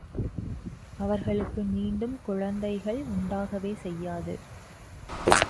அவர்களுக்கு மீண்டும் குழந்தைகள் உண்டாகவே செய்யாது.